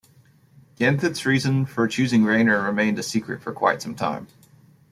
Ganthet's reasons for choosing Rayner remained a secret for quite some time.